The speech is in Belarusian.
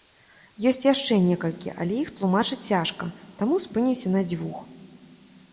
Ёсць яшчэ некалькі, але іх тлумачыць цяжка, таму спынімся на дзвюх.